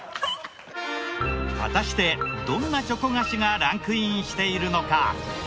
果たしてどんなチョコ菓子がランクインしているのか？